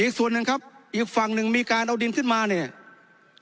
อีกส่วนหนึ่งครับอีกฝั่งหนึ่งมีการเอาดินขึ้นมาเนี่ย